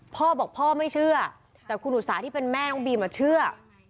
พ่อบอกพ่อไม่เชื่อแต่คุณอุตสาห์ที่เป็นแม่น้องบีมเชื่อ